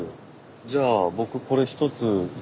じゃあ僕これはい。